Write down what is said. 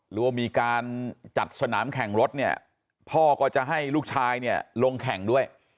หรือว่ามีการจัดสนามแข่งรถเนี่ยพ่อก็จะให้ลูกชายเนี่ยลงแข่งด้วย